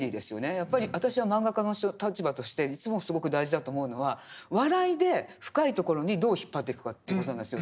やっぱり私は漫画家の立場としていつもすごく大事だと思うのは笑いで深いところにどう引っ張っていくかという事なんですよ。